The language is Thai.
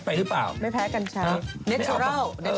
ไม่แพ้กันชัย